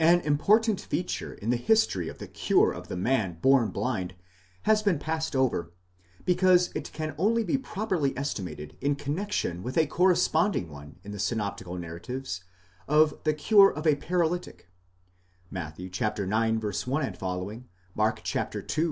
An important feature in the history of the cure of the man born blind has been passed over, because it can only be properly estimated in connexion. with a corresponding one in the synoptical narratives of the cure of a paralytic (Matt. ix. 1 ff.; Mark ii. 1 ff.